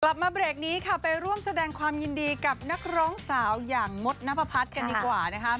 กลับมาเบรกนี้ค่ะไปร่วมแสดงความยินดีกับนักร้องสาวอย่างมดนับประพัฒน์กันดีกว่านะคะ